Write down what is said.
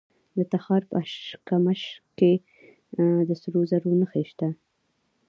د تخار په اشکمش کې د سرو زرو نښې شته.